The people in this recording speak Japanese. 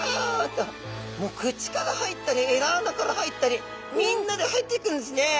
もう口から入ったりえらあなから入ったりみんなで入っていくんですね。